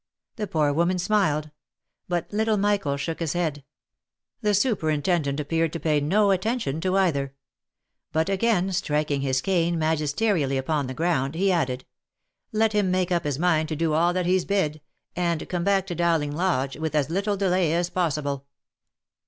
The poor woman smiled ; but little Michael shook his head. The superintendent appeared to pay no attention to either ; but again striking his cane magisterially upon the ground, he added, " Let him make up his mind to do all that he's bid, and come back to Dovvling Lodge with as little delay as possible."